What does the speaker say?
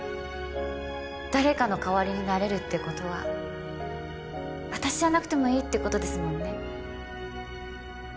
誰かの代わりになれるってことは私じゃなくてもいいってことですもんね